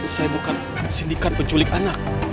saya bukan sindikat penculik anak